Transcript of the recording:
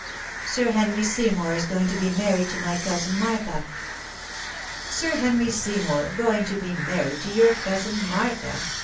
" Sir Henry Seymour is going to be married to my cousin Martha." " Sir Henry Seymour going to be married to your cousin Martha?